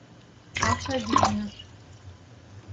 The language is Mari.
ПАША ВИЙНЫШ